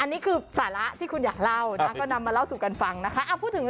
อันนี้คือสาระที่คุณอยากเล่านะก็นำมาเล่าสู่กันฟังนะคะ